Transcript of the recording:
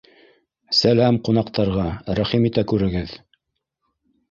- Сәләм ҡунаҡтарға, рәхим итә күрегеҙ